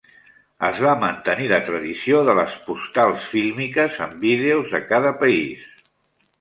Es va mantenir la tradició de les postals fílmiques amb vídeos de cada país.